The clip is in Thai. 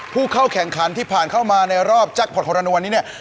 ผู้เข้าแข่งขันที่ผ่านเข้ามาในรอบแจกพอร์โทรนันต์ในวันนี้